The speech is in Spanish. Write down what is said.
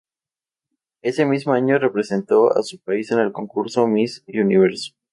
Ese mismo año, representó a su país en el concurso Miss Universo.